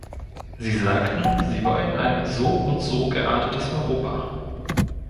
Sie sagten, Sie wollen ein so und so geartetes Europa.